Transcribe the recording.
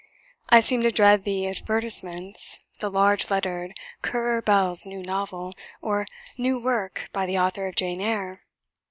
I seem to dread the advertisements the large lettered 'Currer Bell's New Novel,' or 'New Work, by the Author of Jane Eyre.'